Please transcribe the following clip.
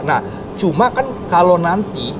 nah cuma kan kalau nanti